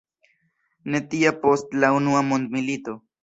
Ne tia post la unua mondmilito.